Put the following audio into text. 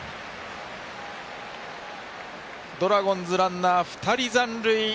ドラゴンズ、ランナー２人残塁。